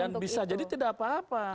dan bisa jadi tidak apa apa